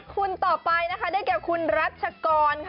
คนต่อไปนะคะได้แก่คุณรัชกรค่ะ